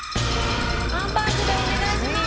ハンバーグでお願いします！